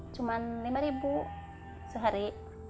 cuman lima ribu sehari